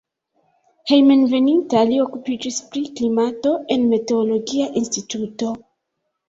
Hejmenveninta li okupiĝis pri klimato en meteologia instituto.